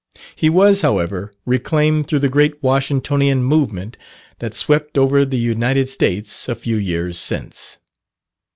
He was, however, reclaimed through the great Washingtonian movement that swept over the United States a few years since.